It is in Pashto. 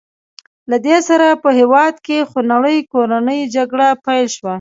له دې سره په هېواد کې خونړۍ کورنۍ جګړه پیل شوه.